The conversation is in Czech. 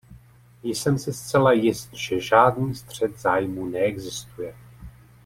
Jsem si zcela jist, že žádný střet zájmů neexistuje.